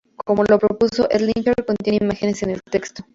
Como lo propuso Endlicher, contiene imágenes en el texto.